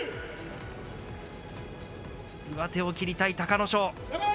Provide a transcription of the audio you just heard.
上手を切りたい隆の勝。